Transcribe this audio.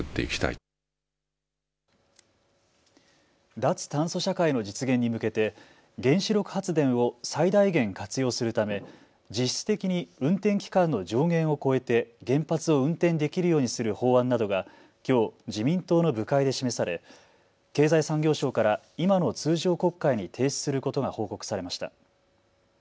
脱炭素社会の実現に向けて原子力発電を最大限活用するため実質的に運転期間の上限を超えて原発を運転できるようにする法案などがきょう自民党の部会で示され経済産業省から今の通常国会に提出することが報告されました。